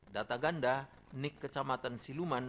data ganda nik kecamatan siluman